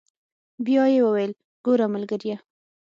بيا يې وويل ګوره ملګريه.